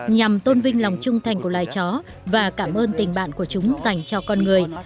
nhằm tôn vinh lòng trung thành của loài chó và cảm ơn tình bạn của chúng dành cho con người